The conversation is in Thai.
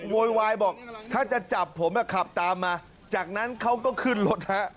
โวยวายบอกถ้าจะจับผมขับตามมาจากนั้นเขาก็ขึ้นรถฮะ